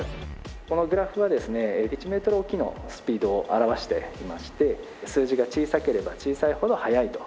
このグラフはですね１メートルおきのスピードを表していまして数字が小さければ小さいほど速いと。